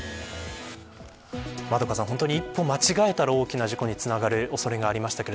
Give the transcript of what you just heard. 円香さん、一歩間違えたら大きな事故につながる恐れがありました。